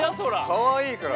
かわいいから。